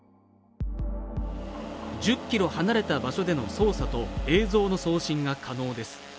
１０キロ離れた場所での操作と映像の送信が可能です